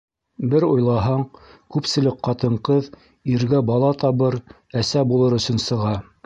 Бер уйлаһаң, күпселек ҡатын-ҡыҙ иргә бала табыр, әсә булыр өсөн сыға.